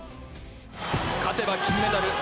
勝てば金メダル。